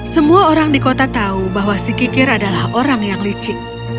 semua orang di kota tahu bahwa si kikir adalah orang yang licik